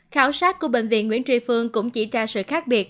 khảo sát của bệnh viện nguyễn tri phương cũng chỉ ra sự khác biệt